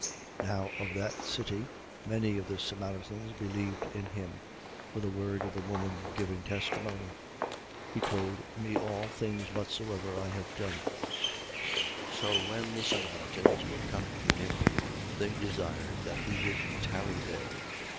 4:39. Now of that city many of the Samaritans believed in him, for the word of the woman giving testimony: He told me all things whatsoever I have done. 4:40. So when the Samaritans were come to him, they desired that he would tarry there.